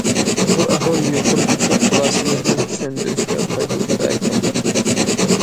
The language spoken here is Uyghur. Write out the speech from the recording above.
بۇ ئەھۋال يۇقىرىدىكى خۇلاسىمىزنى چۈشەندۈرۈشكە پايدىلىقتەك قىلىدۇ.